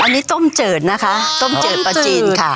อันนี้ต้มจืดนะคะต้มจืดปลาจีนค่ะ